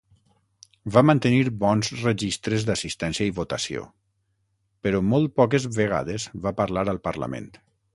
Va mantenir bons registres d'assistència i votació, però molt poques vegades va parlar al Parlament.